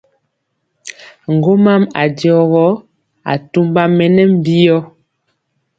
Ŋgomam a jɔ gɔ, atumba mɛ nɛ mbiyɔ.